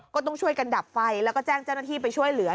ก็ต้องช่วยกันดับไฟแล้วก็แจ้งเจ้าหน้าที่ไปช่วยเหลือ